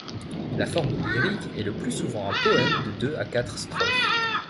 La forme lyrique est le plus souvent un poème de deux à quatre strophes.